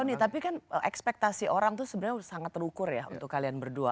ini tapi kan ekspektasi orang itu sebenarnya sangat terukur ya untuk kalian berdua